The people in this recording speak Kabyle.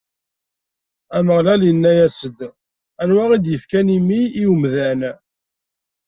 Ameɣlal inna-as-d: Anwa i d-ifkan imi i wemdan?